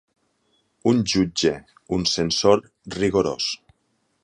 Un jutge, un censor, rigorós.